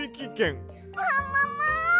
ももも！